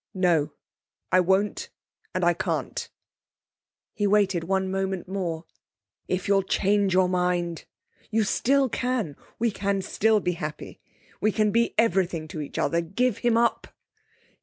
'No. I won't and I can't.' He waited one moment more. 'If you'll change your mind you still can we can still be happy. We can be everything to each other.... Give him up.